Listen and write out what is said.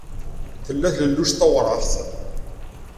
Tella tlelluct tawraɣt.